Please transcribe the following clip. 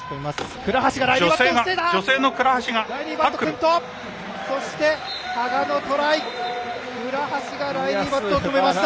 倉橋がライリー・バットを止めました。